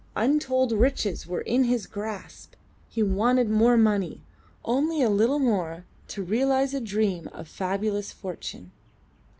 Untold riches were in his grasp; he wanted more money only a little more torealise a dream of fabulous fortune.